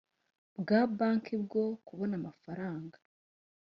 bwa banki bwo kubona amafaranga